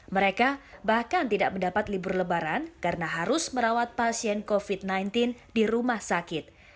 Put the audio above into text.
mereka bahkan tidak mendapat libur lebaran karena harus merawat pasien covid sembilan belas di rumah sakit